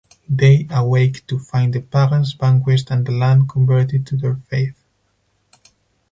They awake to find the pagans vanquished and the land converted to their faith.